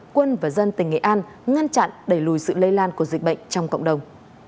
quân và dân tỉnh nghệ an ngăn chặn đẩy lùi sự lây lan của dịch bệnh trong cộng đồng